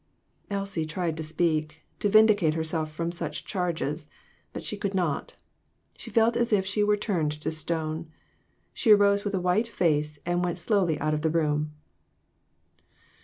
Elsie tried to speak, to vindicate herself from such charges, but she could not. She felt as if she were turned to stone. She arose with a white face, and went slowly out of the room.